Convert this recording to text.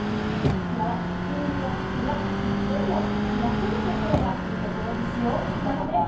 こちらは金利は低いが、いつでも引き出せるところがいいところですよ。